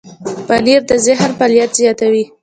پنېر د ذهن فعالیت زیاتوي.